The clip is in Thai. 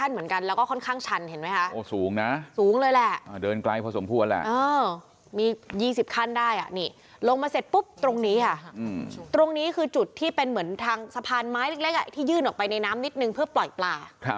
หลังสะพานไม้เล็กที่ยื่นออกไปในน้ำนิดนึงเพื่อปล่อยปลา